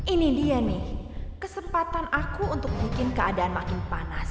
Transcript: ini dia nih kesempatan aku untuk bikin keadaan makin panas